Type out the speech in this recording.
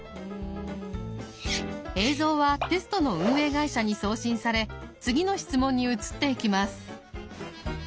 映像はテストの運営会社に送信され次の質問に移っていきます。